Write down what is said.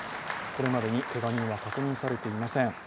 これまでに、けが人は確認されていません。